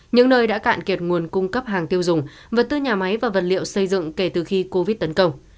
những nơi đã cạn kiệt nguồn cung cấp hàng tiêu dùng vật tư nhà máy và vật liệu xây dựng kể từ khi covid tấn công